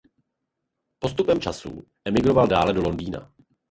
Postupem času emigroval dále do Londýna.